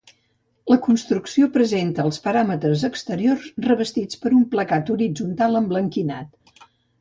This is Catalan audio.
La construcció presenta els paraments exteriors revestits per un placat horitzontal emblanquinat.